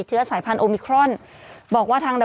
สิบเก้าชั่วโมงไปสิบเก้าชั่วโมงไป